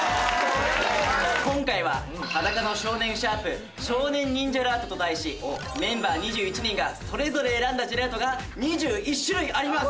今回は『♯裸の少年』少年忍じぇらーとと題しメンバー２１人がそれぞれ選んだジェラートが２１種類あります！